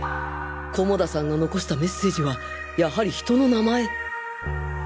菰田さんが残したメッセージはやはり人の名前